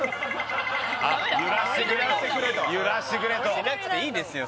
うんしなくていいですよ